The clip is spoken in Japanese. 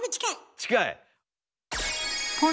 近い？